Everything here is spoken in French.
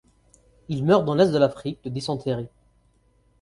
Il meurt dans l’est de l’Afrique de dysenterie.